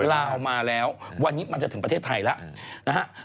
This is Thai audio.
ลาวมาแล้ววันนี้มันจะถึงประเทศไทยแล้วนะฮะ